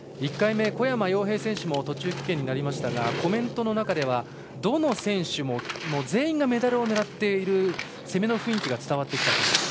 １回目、小山陽平選手も途中棄権になりましたがコメントの中では、どの選手も全員がメダルを狙っている攻めの雰囲気が伝わってきたと。